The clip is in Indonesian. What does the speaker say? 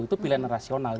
itu pilihan rasional